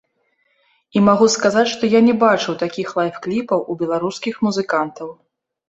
І магу сказаць, што я не бачыў такіх лайф-кліпаў у беларускіх музыкантаў.